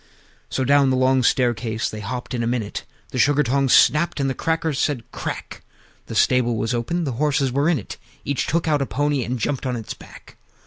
III. So down the long staircase they hopped in a minute; The Sugar tongs snapped, and the Crackers said "Crack!" The stable was open; the horses were in it: Each took out a pony, and jumped on his back.